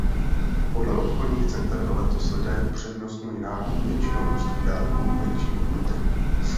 Podle obchodních center letos lidé upřednostňují nákup většího množství dárků menší hodnoty.